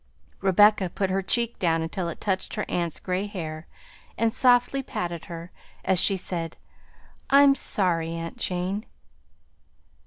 Rebecca put her cheek down until it touched her aunt's gray hair and softly patted her, as she said, "I'm sorry, aunt Jane!"